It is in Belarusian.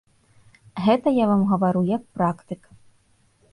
Гэта я вам гавару як практык.